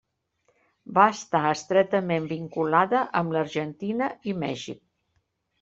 Va estar estretament vinculada amb l'Argentina i Mèxic.